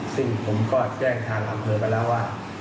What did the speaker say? ซึ่งผมก็แจ้งทางรบบ้านก็แล้วว่า